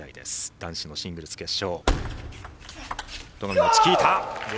男子のシングルス決勝。